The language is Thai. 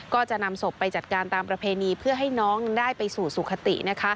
ก็จะนำศพไปจัดการตามประเพณีเพื่อให้น้องได้ไปสู่สุขติ